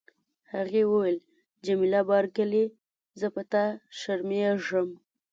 هغې وویل: جميله بارکلي، زه په تا شرمیږم.